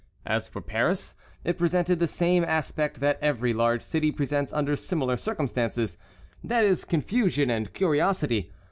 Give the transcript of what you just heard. As for Paris, it presented the same aspect that every large city presents under similar circumstances; that is, confusion and curiosity.